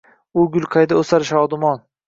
U gul qayda oʻsar shodumon